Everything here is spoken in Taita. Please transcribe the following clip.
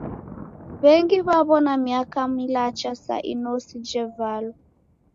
W'engi w'aw'ona miaka milacha sa inosi jevalwa.